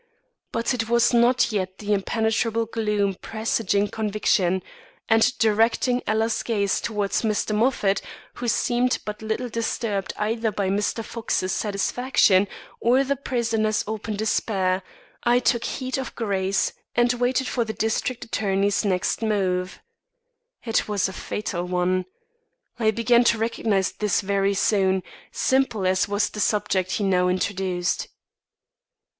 But it was not yet the impenetrable gloom presaging conviction; and directing Ella's gaze towards Mr. Moffat, who seemed but little disturbed either by Mr. Fox's satisfaction or the prisoner's open despair, I took heart of grace and waited for the district attorney's next move. It was a fatal one. I began to recognise this very soon, simple as was the subject he now introduced.